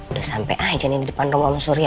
udah sampe aja nih di depan rumah om surya